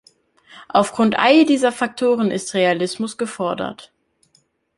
Aufgrund all dieser Faktoren ist Realismus gefordert.